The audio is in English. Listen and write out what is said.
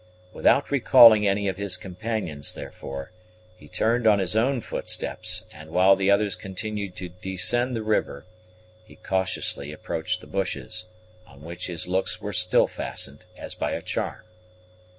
Without recalling any of his companions, therefore, he turned on his own footsteps; and, while the others continued to descend the river, he cautiously approached the bushes, on which his looks were still fastened, as by a charm.